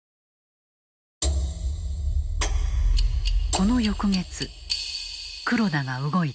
この翌月黒田が動いた。